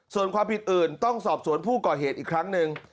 ส่วนความผิดอื่นต้องสอบสวนผู้ก่อเหตุอีกครั้งหนึ่ง